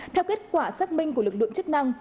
theo kết quả xác minh của lực lượng chức năng